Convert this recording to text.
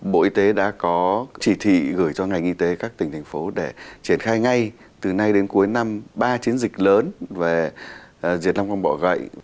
bộ y tế đã có chỉ thị gửi cho ngành y tế các tỉnh thành phố để triển khai ngay từ nay đến cuối năm ba chiến dịch lớn về diệt long quang bọ gậy